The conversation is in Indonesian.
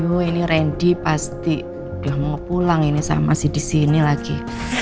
aduh ini randy pasti udah mau pulang ini saya masih disini lagi